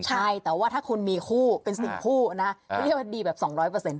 ใช่แต่ว่าถ้าคุณมีคู่เป็นสิงคู่นะก็เรียกว่าดีแบบสองร้อยเปอร์เซ็นต์